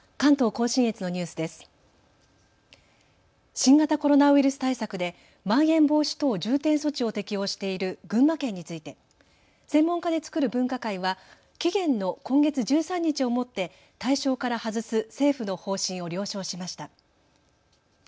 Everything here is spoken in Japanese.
新型コロナウイルス対策でまん延防止等重点措置を適用している群馬県について専門家で作る分科会は期限の今月１３日をもって対象から外す政府の方針を了承しました。